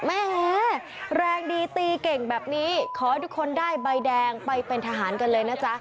แหมแรงดีตีเก่งแบบนี้ขอให้ทุกคนได้ใบแดงไปเป็นทหารกันเลยนะจ๊ะ